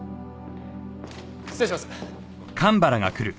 失礼します。